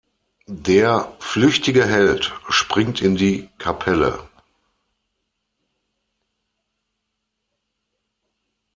Der „flüchtige Held“ springt in die Kapelle.